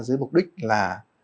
dưới mục đích là